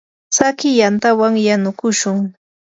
tsakiy yantawan yanukushun.